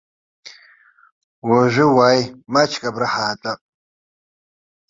Уажәы уааи, маҷк абра ҳаатәап.